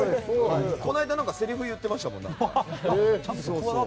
この間、せりふを言ってましたもん。